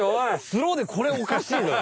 スローでこれおかしいだろ。